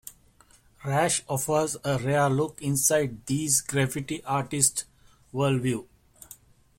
"Rash" offers a rare look inside these graffiti artists world-view.